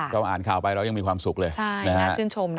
เราอ่านข่าวไปเรายังมีความสุขเลย